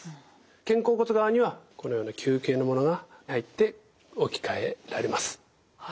肩甲骨側にはこのような球形のものが入って置き換えられます。